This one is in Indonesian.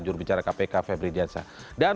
jurubicara kpk febri diansyah